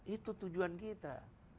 itu tujuan kita